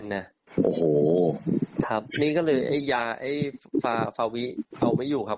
โอ้โหครับนี่ก็เลยไอ้ยาไอ้ฟาฟาวิเอาไม่อยู่ครับ